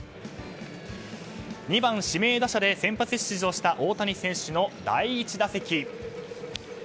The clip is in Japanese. ２番指名打者で先発出場した大谷選手の第１打席。